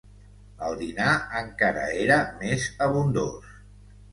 El dinar encara era més abundós